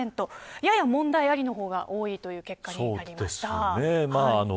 やや、問題ありの方が多いという結果になりました。